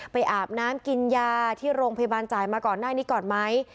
อาบน้ำกินยาที่โรงพยาบาลจ่ายมาก่อนหน้านี้ก่อนไหม